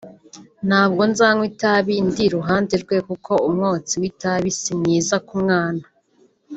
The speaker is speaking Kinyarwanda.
“ Ntabwo nzanywa itabi ndi iruhande rwe kuko umwotsi w’itabi si mwiza ku mwana